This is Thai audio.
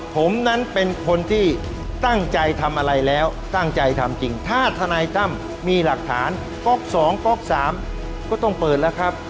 ผมนั้นเป็นคนที่ตั้งใจทำอะไรแล้วตั้งใจทำจริงถ้าธนายตั้มมีหลักฐานก๊อก๒ก๊อก๓ก็ต้องเปิดแล้วครับ